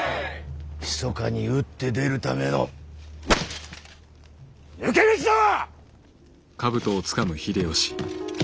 ひそかに打って出るための抜け道だわ！